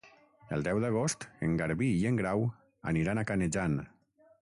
El deu d'agost en Garbí i en Grau aniran a Canejan.